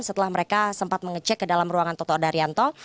setelah mereka sempat mengecek ke dalam ruangan toto daryanto